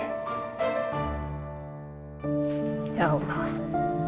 kayanya mendingan aku ajakin sena pulang aja deh